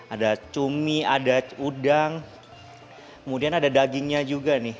ada cumi ada udang kemudian ada dagingnya juga nih